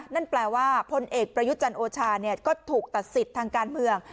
นั่นแปลว่าพลเอกประยุจันทร์โอชาก็ถูกตัดสิทธิ์ทางการเมือง